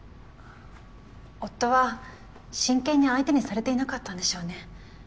夫は真剣に相手にされていなかったんでしょうね。